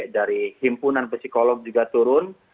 dari himpunan psikolog juga turun